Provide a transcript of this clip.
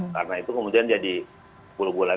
karena itu kemudian jadi sepuluh bulan